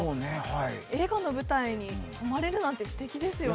映画の舞台に泊まれるなんて、すてきですよね。